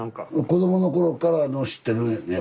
子どもの頃から知ってるんやね